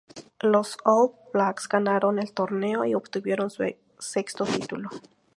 Los All Blacks ganaron el torneo y obtuvieron su sexto título.